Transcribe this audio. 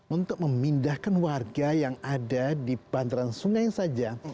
untuk memindahkan warga yang ada di bandaran sungainya saja